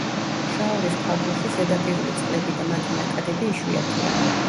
შაორის ქვაბულში ზედაპირული წყლები და მათი ნაკადები იშვიათია.